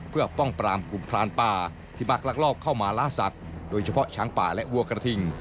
เพื่อป้องปรามกลุ่มพรานป่าที่มักลักลอบเข้ามาล่าสัตว์โดยเฉพาะช้างป่าและวัวกระทิง